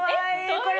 これ。